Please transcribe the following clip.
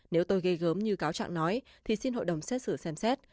nếu tôi gây gớm như cáo chẳng nói thì xin hội đồng xét xử xem xét